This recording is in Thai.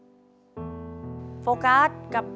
สวัสดีครับน้องเล่จากจังหวัดพิจิตรครับ